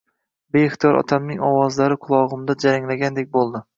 Beixtiyor otamning ovozlari qulogʻimda jaranglagandek boʻldi.